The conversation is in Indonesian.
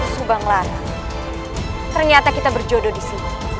subang larang ternyata kita berjodoh di sini